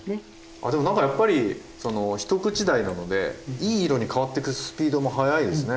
あでも何かやっぱり一口大なのでいい色に変わってくスピードも早いですね。